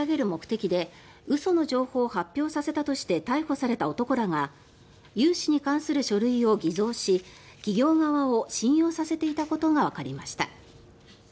目的で嘘の情報を発表させたとして逮捕された男らが融資に関する書類を偽造し企業側を信用させていたことがわかりました。